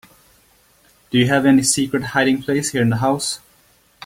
Do you have any secret hiding place here in the house?